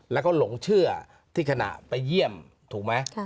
แล้วก็หลงเชื่อที่ขณะไปเยี่ยมถูกไหม